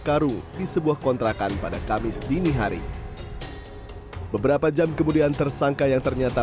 karung di sebuah kontrakan pada kamis dini hari beberapa jam kemudian tersangka yang ternyata